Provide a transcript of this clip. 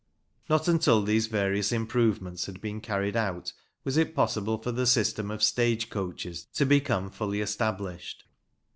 Not until these various improve ments had been carried out was it possible for the system of stage coaches to become fully established.